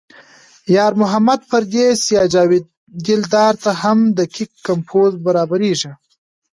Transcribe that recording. یار محمد پردیس یا جاوید دلدار ته هم دقیق کمپوز برابرېږي.